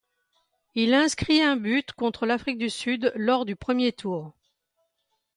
Il inscrit un but contre l'Afrique du Sud lors du premier tour.